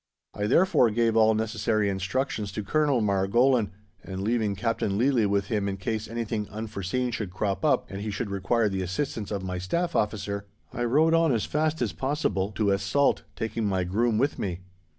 I therefore gave all necessary instructions to Colonel Margolin, and, leaving Captain Leadley with him in case anything unforeseen should crop up, and he should require the assistance of my Staff Officer, I rode on as fast as possible to Es Salt, taking my groom with me.